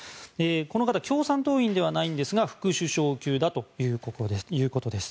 この方共産党員ではないんですが副首相級だということです。